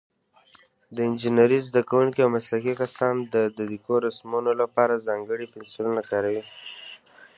د انجینرۍ زده کوونکي او مسلکي کسان د دقیقو رسمونو لپاره ځانګړي پنسلونه کاروي.